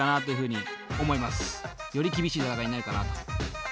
より厳しい戦いになるかなと。